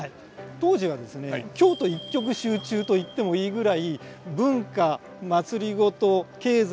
当時はですね京都一極集中と言ってもいいぐらい文化まつりごと経済